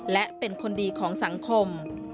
และเป็นคนดีของทุกคน